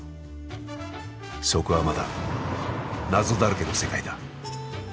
そこはまだ謎だらけの世界だ。